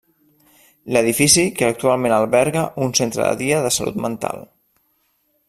L'edifici, que actualment alberga un centre de dia de salut mental.